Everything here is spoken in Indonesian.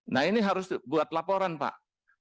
nah ini harus buat laporan pak